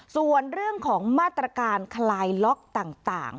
ส่วนเรื่องของมาตรการคลายล็อกต่าง